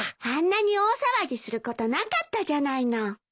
あんなに大騒ぎすることなかったじゃないの。